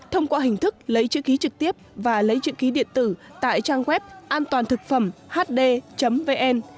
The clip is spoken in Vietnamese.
thông qua hình thức lấy chữ ký trực tiếp và lấy chữ ký điện tử tại trang web antoanthựcphẩmhd vn